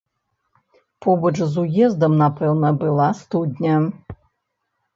Побач з уездам, напэўна, была студня.